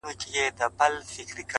• روح مي نو څه وخت مهربانه په کرم نیسې؛